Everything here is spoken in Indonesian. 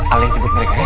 ale jebuk mereka ya